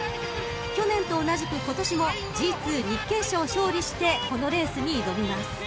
［去年と同じく今年もＧⅡ日経賞を勝利してこのレースに挑みます］